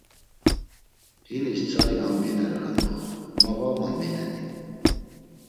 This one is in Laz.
Hinis tzari ambineran do ma va mambineni?